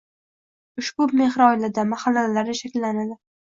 Ushbu mehr oilada, mahallalarda shakillanadi